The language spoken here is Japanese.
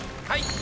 はい！